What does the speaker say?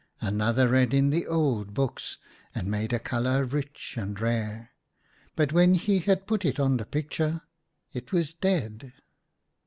Another read in the old books, and made a colour rich and rare, but when he had put it on the picture it was dead.